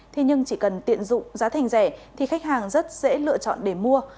thế nhưng chỉ cần tiện dụng giá thành rẻ thì khách hàng rất dễ lựa chọn để mua